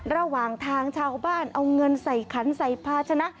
ระหว่างทางชาวบ้านเอาเงินใส่ขันใส่ภาชนะ